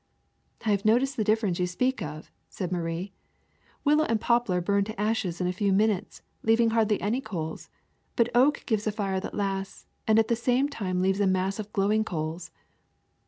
'^ '^I have noticed the difference you speak of," said Marie. ^^ Willow and poplar burn to ashes in a few minutes, leaving hardly any coals; but oak gives a fire that lasts and at the same time leaves a mass of glowing coals.